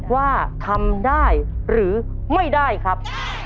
ว่าทำได้หรือไม่ได้ครับ